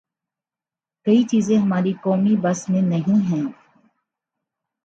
کئی چیزیں ہمارے قومی بس میں نہیں ہیں۔